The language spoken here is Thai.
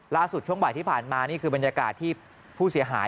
ช่วงบ่ายที่ผ่านมานี่คือบรรยากาศที่ผู้เสียหาย